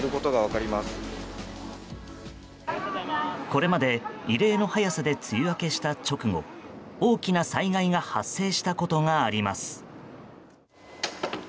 これまで異例の早さで梅雨明けした直後大きな災害が発生したことがあります。